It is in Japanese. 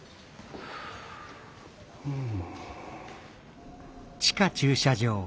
うん。